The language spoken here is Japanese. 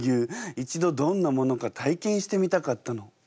一度どんなものか体験してみたかったの。